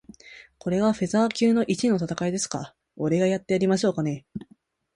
これがフェザー級一位の戦いですか？俺がやってやりましょうかね。